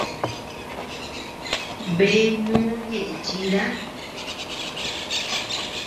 Bea ñú ñeʼe chida.